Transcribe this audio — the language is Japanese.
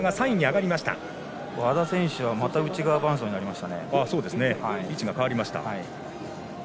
和田選手はまた内側伴走になりました。